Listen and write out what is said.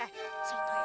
eh satu aja